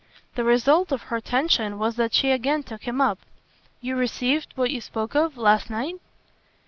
The result of her tension was that she again took him up. "You received what you spoke of last night?"